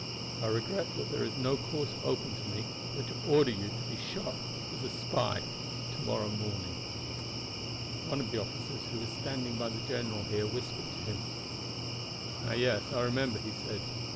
I regret that there is no course open to me but to order you to be shot as a spy to morrow morning." One of the officers who was standing by the general here whispered to him. "Ah, yes, I remember," he said.